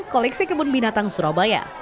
koleksi kebun binatang surabaya